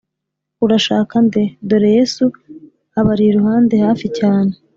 urashaka nde ?» dore [yesu] abari iruhande hafi cyane,